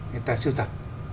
người ta sưu tập